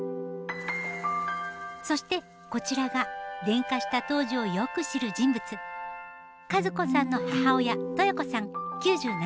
そしてこちらが電化した当時をよく知る人物和子さんの母親豊子さん９７歳。